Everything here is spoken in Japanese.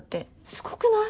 すごくない？